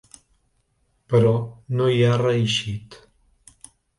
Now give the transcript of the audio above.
Però no hi ha reeixit.